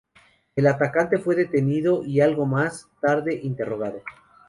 El atacante fue detenido, y algo más tarde interrogado.